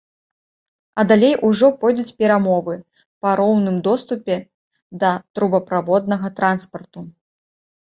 А далей ужо пойдуць перамовы па роўным доступе да трубаправоднага транспарту.